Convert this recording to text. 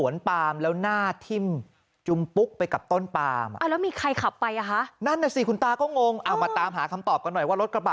แล้วมีใครขับไปอ่ะฮะนั่นน่ะสิคุณตาก็งงเอามาตามหาคำตอบกันหน่อยว่ารถกระบะ